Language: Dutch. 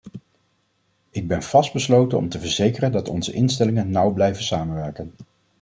Ik ben vastbesloten om te verzekeren dat onze instellingen nauw blijven samenwerken.